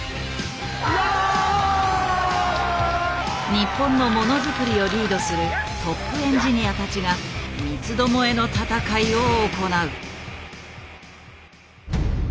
日本のものづくりをリードするトップエンジニアたちが三つどもえの戦いを行う。